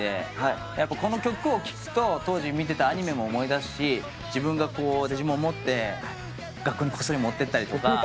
この曲を聴くと当時見てたアニメも思い出すし自分がデジモン持って学校にこっそり持ってったりとか。